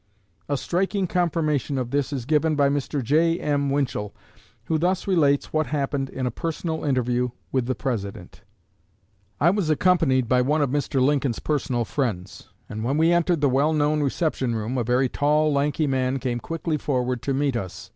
A striking confirmation of this is given by Mr. J.M. Winchell, who thus relates what happened in a personal interview with the President: "I was accompanied by one of Mr. Lincoln's personal friends; and when we entered the well known reception room, a very tall, lanky man came quickly forward to meet us.